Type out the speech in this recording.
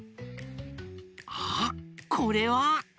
あっこれは！